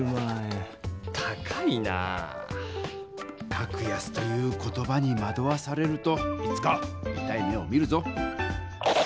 「格安」という言葉にまどわされるといつかいたい目を見るぞ！